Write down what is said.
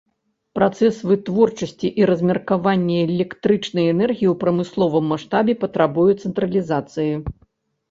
Працэс вытворчасці і размеркавання электрычнай энергіі ў прамысловым маштабе патрабуе цэнтралізацыі.